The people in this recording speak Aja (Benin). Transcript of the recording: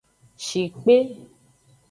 Shikpe.